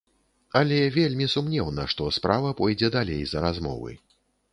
Але вельмі сумнеўна, што справа пойдзе далей за размовы.